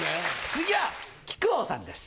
次は木久扇さんです。